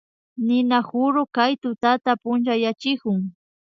Ninakuru kay tutata punchayachikun